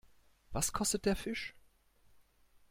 Was kostet der Fisch?